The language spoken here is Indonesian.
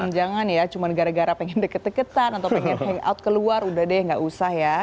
jangan ya cuma gara gara pengen deket deketan atau pengen hangout keluar udah deh gak usah ya